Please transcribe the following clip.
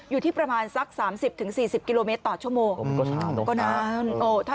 อยู่ที่ประมาณสัก๓๐๔๐กิโลเมตรต่อชั่วโมง